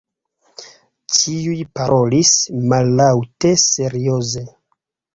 Ĉiuj parolis mallaŭte, serioze.